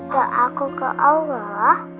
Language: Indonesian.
doaku ke allah